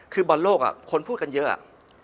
คือบอลโลกคนพูดกันเยอะอะ